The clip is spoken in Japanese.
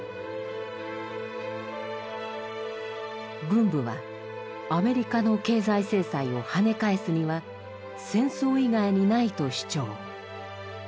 軍部はアメリカの経済制裁をはね返すには戦争以外にないと主張。